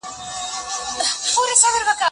زه پرون شګه پاکه کړه